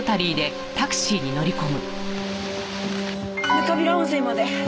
糠平温泉まで。